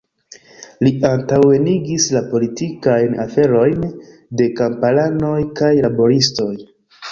Li antaŭenigis la politikajn aferojn de kamparanoj kaj laboristoj.